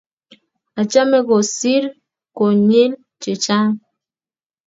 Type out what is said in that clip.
Achame kosir konyil chechang'.